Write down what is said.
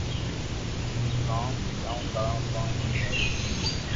ڪوم ڪاو ڪرو ڪوم ئي وئي ني